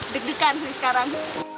deg degan sih sekarang